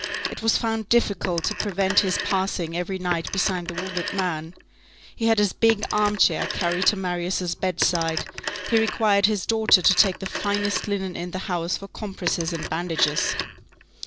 It was found difficult to prevent his passing every night beside the wounded man; he had his big armchair carried to Marius' bedside; he required his daughter to take the finest linen in the house for compresses and bandages.